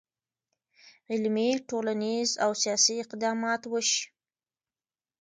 علمي، ټولنیز، او سیاسي اقدامات وشي.